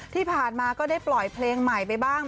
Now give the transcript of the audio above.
ที่ผ่านมาก็ได้ปล่อยเพลงใหม่ไปบ้าง